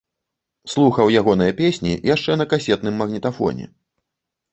Слухаў ягоныя песні яшчэ на касетным магнітафоне.